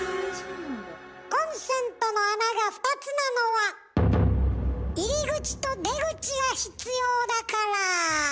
コンセントの穴が２つなのは入り口と出口が必要だから。